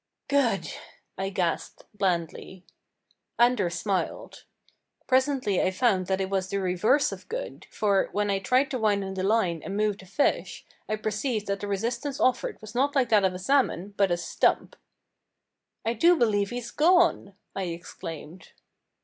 "Good," I gasped, blandly. Anders smiled. Presently I found that it was the reverse of good, for, when I tried to wind in the line and move the fish, I perceived that the resistance offered was not like that of a salmon, but a stump! "I do believe he's gone!" I exclaimed.